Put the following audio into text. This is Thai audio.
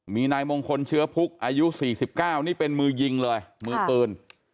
มีนายมงคลเชื้อพุกอายุ๔๙นี่เป็นมือยิงเลยมือปืน